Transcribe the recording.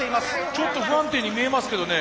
ちょっと不安定に見えますけどね